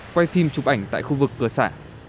quay phim chụp ảnh tại khu vực cửa xã